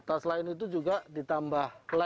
nah tas lain itu juga ditambahkan